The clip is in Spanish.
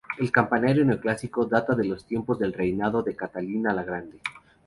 El campanario neoclásico data de los tiempos del reinado de Catalina la Grande.